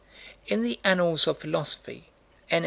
In the Annals of Philosophy, n.